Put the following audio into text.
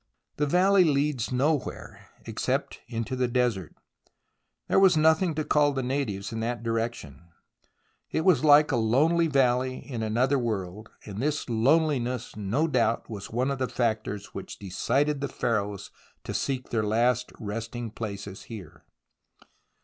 The valley leads nowhere, except into the desert. There was nothing to call the natives in that direc tion. It was Hke a lonely valley in another world, and this loneliness no doubt was one of the factors which decided the Pharaohs to seek their last resting places here.